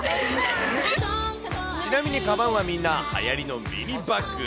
ちなみにかばんはみんな、はやりのミニバッグ。